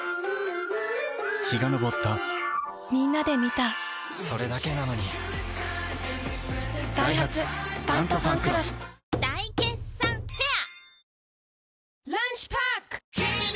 陽が昇ったみんなで観たそれだけなのにダイハツ「タントファンクロス」大決算フェア